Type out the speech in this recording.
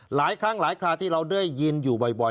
หลายครั้งหลายคราที่เราได้ยินอยู่บ่อย